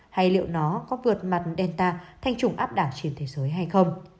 hay liệu nó có vượt mặt delta thanh chủng áp đảo trên thế giới hay không